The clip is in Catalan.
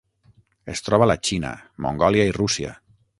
Es troba a la Xina, Mongòlia i Rússia.